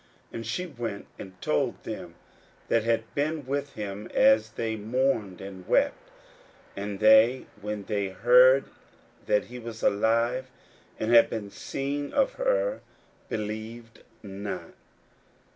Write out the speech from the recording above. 41:016:010 And she went and told them that had been with him, as they mourned and wept. 41:016:011 And they, when they had heard that he was alive, and had been seen of her, believed not.